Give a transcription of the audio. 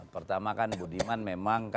pertama kan budiman memang